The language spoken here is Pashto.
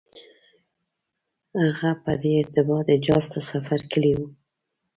هغه په دې ارتباط حجاز ته سفر کړی و.